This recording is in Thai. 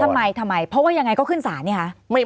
ทำไมทำไมเพราะว่ายังไงก็ขึ้นศาลนี่คะ